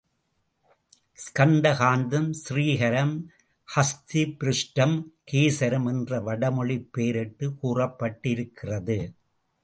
ஸ்கந்த காந்தம், ஸ்ரீகரம், ஹஸ்தி பிருஷ்டம், கேசரம் என்று வடமொழிப் பெயரிட்டு கூறப்பட்டிருக்கிறது.